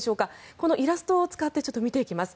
このイラストを使って見ていきます。